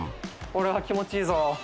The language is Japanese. これは気持ちいいぞ。